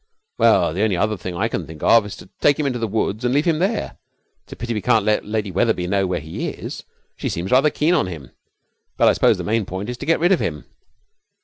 'Well, the only other thing I can think of is to take him into the woods and leave him there. It's a pity we can't let Lady Wetherby know where he is; she seems rather keen on him. But I suppose the main point is to get rid of him.'